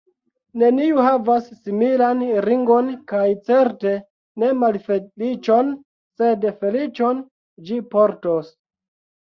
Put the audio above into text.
Neniu havas similan ringon kaj certe ne malfeliĉon, sed feliĉon ĝi portos.